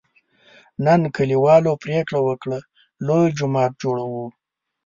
نن کلیوالو پرېکړه وکړه: لوی جومات جوړوو.